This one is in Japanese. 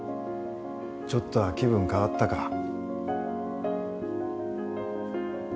ちょっとは気分変わったか？